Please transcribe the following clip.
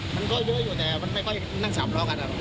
มันก็เยอะอยู่แต่มันไม่ค่อยนั่งสามล้อกัน